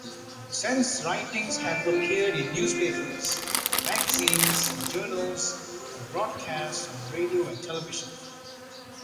Sen's writings have appeared in newspapers, magazines, journals, and broadcast on radio and television.